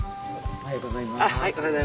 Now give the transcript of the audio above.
おはようございます。